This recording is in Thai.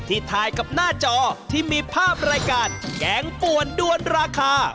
ถ่ายกับหน้าจอที่มีภาพรายการแกงป่วนด้วนราคา